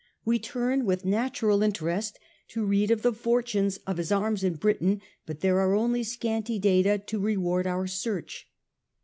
We turn with natural interest to read of the fortunes of his arms in Britain, but there are only scanty data to reward our search.